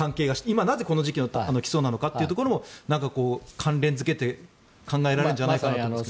今なぜ、この時期の起訴なのかというところも関連付けて考えられるんじゃないかなと思うんですが。